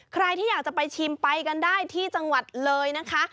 ใครที่อยากจะไปชิมไปกันได้ที่จังหวัดเลยนะคะ